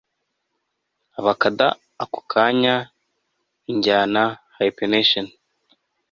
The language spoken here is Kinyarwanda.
abakada ako kanya, injyana, hyphenation